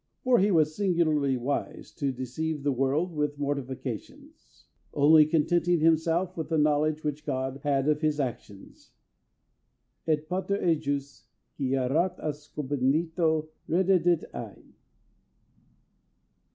For he was singularly wise to deceave the world with mortifications, only contenting himselfe with the knowledge which God had of his actions: et pater ejus, qui erat in abscondito reddidit ei."